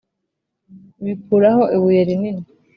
bikuraho ibuye rinini